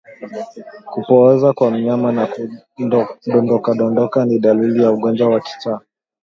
Kupooza kwa mnyama na kudondokadondoka ni dalili za ugonjwa wa kichaa